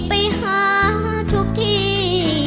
ไปหาทุกที่